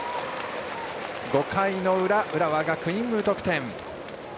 ５回の裏、浦和学院は無得点。